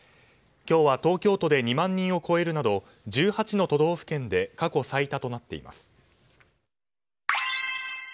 今日は東京都で２万人を超えるなど１８の都道府県で過去最多となっています。